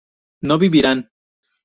no vivirían